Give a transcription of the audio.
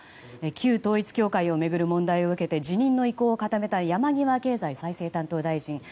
旧統一教会を巡る問題を受けて辞任の意向を固めた山際経済再生担当大臣。